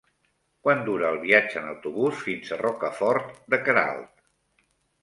Quant dura el viatge en autobús fins a Rocafort de Queralt?